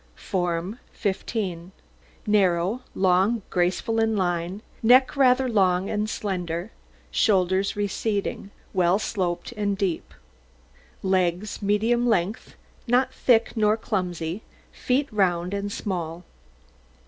FORM 15 Narrow, long, graceful in line; neck rather long and slender; shoulders receding, well sloped and deep; legs medium length, not thick nor clumsy; feet round and small.